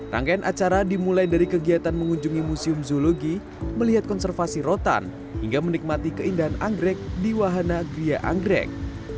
rangkaian acara dimulai dari kegiatan mengunjungi museum zoologi melihat konservasi rotan hingga menikmati keindahan anggrek di wahana gria anggrek